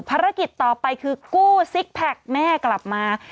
ภารกิจต่อไปคือกู้ซิกแพคแม่กลับมา